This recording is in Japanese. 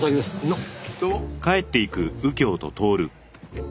なっ！？